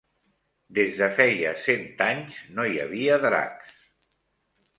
Des de feia cent anys no hi havia dracs.